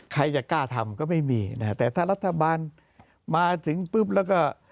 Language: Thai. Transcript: ใครจะกล้าทำก็ไม่มีนะฮะแต่ถ้ารัฐบาลมาถึงปุ๊บแล้วก็